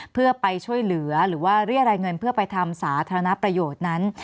เพื่อไปช่วยเหลือหรือว่าเรียรายเงินเพื่อไปทำสาธารณประโยชน์นั้น